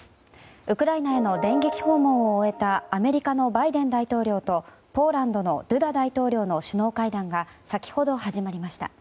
ウクライナへの電撃訪問を終えたアメリカのバイデン大統領とポーランドのドゥダ大統領の首脳会談が先ほど、始まりました。